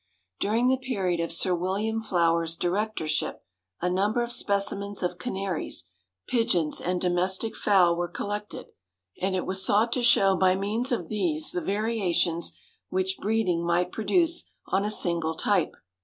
During the period of Sir William Flower's directorship a number of specimens of canaries, pigeons, and domestic fowl were collected, and it was sought to show by means of these the variations which breeding might produce on a single type.